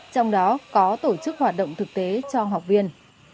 trong đó có tổ chức hoạt động thực tế cho học viên